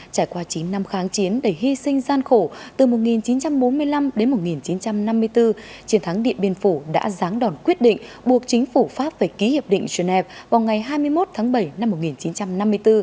trải qua chín năm kháng chiến đầy hy sinh gian khổ từ một nghìn chín trăm bốn mươi năm đến một nghìn chín trăm năm mươi bốn chiến thắng điện biên phủ đã ráng đòn quyết định buộc chính phủ pháp phải ký hiệp định genève vào ngày hai mươi một tháng bảy năm một nghìn chín trăm năm mươi bốn